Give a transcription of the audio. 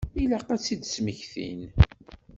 Ilaq ad t-id-smektin.